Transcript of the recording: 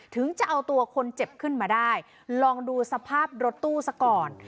ถึงจะเอาตัวคนเจ็บขึ้นมาได้ลองดูสภาพรถตู้ซะก่อน